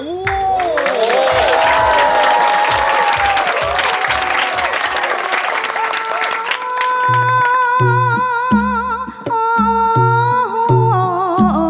โอ้โห